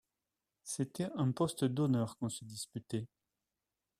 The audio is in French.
C’était un poste d’honneur qu’on se disputait.